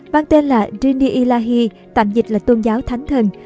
mang tên là drinilahi tạm dịch là tôn giáo thánh thần